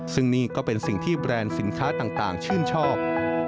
ซึ่งนี่ก็เป็นสิ่งที่แบรนด์สินค้าต่างชื่นชอบ